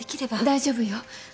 大丈夫よ。